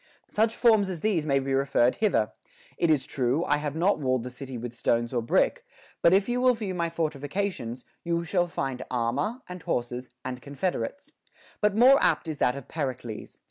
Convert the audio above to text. Such forms as these may be referred hither : It is true, I have not walled the city with stones or brick ; but if you will view my fortifi cations, you shall find armor, and horses, and confederates.* But more apt is that of Pericles.